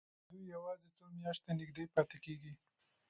دوی یوازې څو میاشتې نږدې پاتې کېږي.